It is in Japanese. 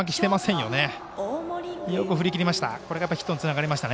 よく振りきりました。